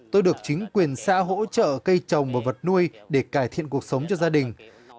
tôi được chính quyền xã hỗ trợ cây trồng và vật nuôi để cải thiện cuộc sống cho gia đình